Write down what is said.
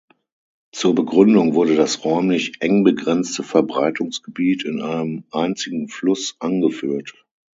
Zur Begründung wurde das räumlich eng begrenzte Verbreitungsgebiet in einem einzigen Fluss angeführt.